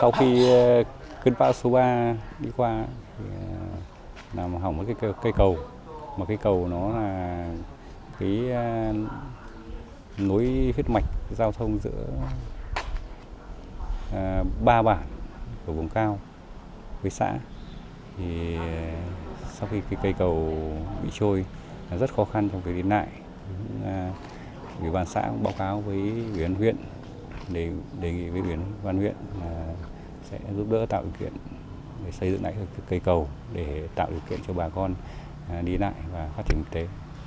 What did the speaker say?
huyện sơn la sẽ giúp đỡ tạo điều kiện xây dựng lại cây cầu để tạo điều kiện cho bà con đi lại và phát triển thực tế